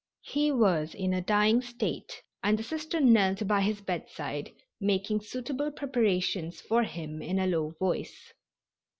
He was in a dying state, and the Sister knelt by his bedside making suitable preparations for him in a low voice.